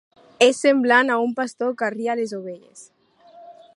És semblant a un pastor que arria les ovelles.